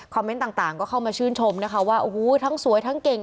เมนต์ต่างก็เข้ามาชื่นชมนะคะว่าโอ้โหทั้งสวยทั้งเก่ง